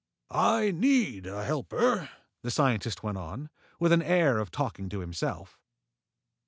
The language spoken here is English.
"I need a helper," the scientist went on, with the air of talking to himself.